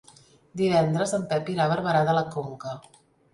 Divendres en Pep irà a Barberà de la Conca.